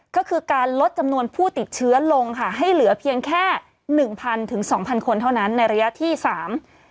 ก็คือการลดจำนวนผู้ติดเชื้อลงค่ะให้เหลือเพียงแค่หนึ่งพันถึงสองพันคนเท่านั้นในระยะที่สาม